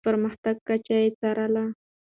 د پرمختګ کچه يې څارله.